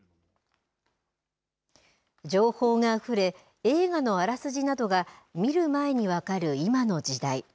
情報があふれ映画のあらすじなどが見る前に分かる今の時代。